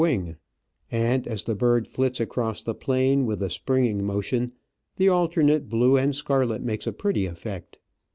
147 wing, and, as the bird flits across the plain with a springing motion, the alternate blue and scarlet make a pretty effect.